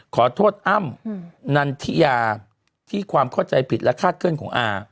ขอโทษอ้ำนันทิยาที่ความเข้าใจผิดและคาดเคลื่อนของอา